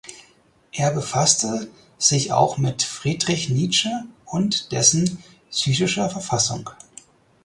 Er befasste sich auch mit Friedrich Nietzsche und dessen psychischer Verfassung.